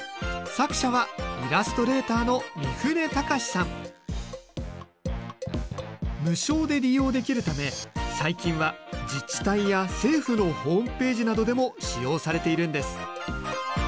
作者は無償で利用できるため最近は自治体や政府のホームページなどでも使用されているんです。